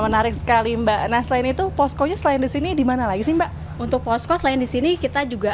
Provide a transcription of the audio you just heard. nah selain itu posko nya selain di sini di mana lagi sih mbak untuk posko selain di sini kita juga